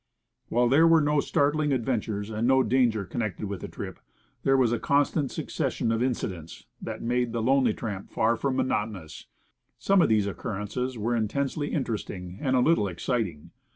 While there were no startling adventures, and no danger connected with the trip, there was a constant succession of incident, that made the lonely tramp far from monotonous. Some of these occurrences were intensely interesting, and a little exciting.